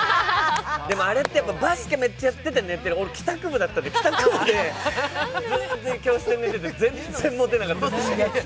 でも、あれってバスケめっちゃやってて寝てる、俺、帰宅部だったので、帰宅部で教室で寝てて、全然モテなかったです。